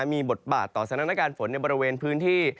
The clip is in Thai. มีบทบาทต่อสถานการณ์ฝนในบริเวณพื้นที่